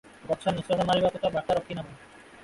ଗଛ ନିଃଶ୍ୱାସ ମାରିବାକୁ ତ ବାଟ ରଖି ନାହୁଁ ।